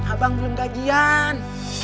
abang belum gajian